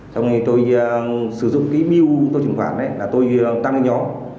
trong khi tôi sử dụng cái mưu tôi truyền khoản ấy là tôi tăng lên nhỏ